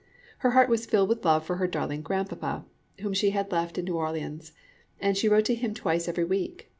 Her heart was filled with love for her darling grandpapa, whom she had left in New Orleans, and she wrote to him twice every week.